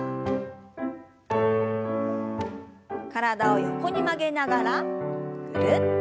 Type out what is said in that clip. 体を横に曲げながらぐるっと。